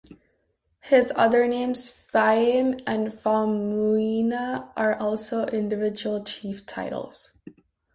His other names Fiame and Faumuina are also individual chief titles.